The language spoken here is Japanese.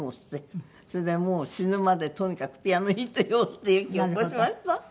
それでもう死ぬまでとにかくピアノ弾いてようっていう気を起こしました。